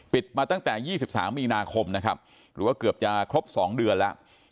ปิดมาตั้งแต่ยี่สิบสามมีนาคมนะครับหรือว่าเกือบจะครบสองเดือนแล้ว